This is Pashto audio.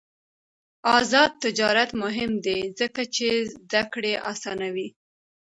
آزاد تجارت مهم دی ځکه چې زدکړه اسانوي.